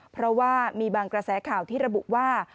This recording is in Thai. เพราะว่ามีบางกระแสข่าวที่ระบุว่า